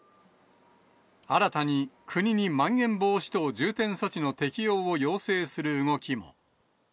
新たに国にまん延防止等重点措置の適用を要請する動きも。